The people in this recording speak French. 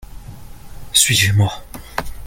Suivez-moi.